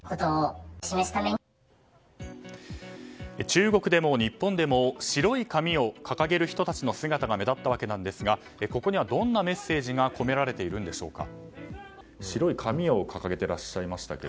中国でも日本でも白い紙を掲げる人たちの姿が目立ったわけなんですがここにはどんなメッセージが込められているんでしょうか。